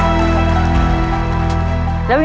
สีสายสนิท